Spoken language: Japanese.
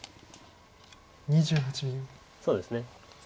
そうですね。